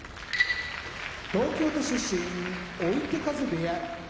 東京都出身追手風部屋